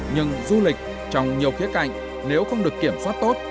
nhưng du lịch trong nhiều khía cạnh nếu không được kiểm soát tốt